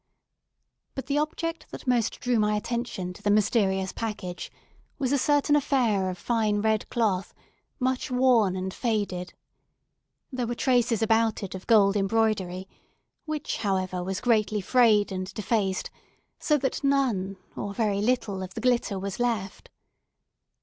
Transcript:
But the object that most drew my attention to the mysterious package was a certain affair of fine red cloth, much worn and faded, There were traces about it of gold embroidery, which, however, was greatly frayed and defaced, so that none, or very little, of the glitter was left.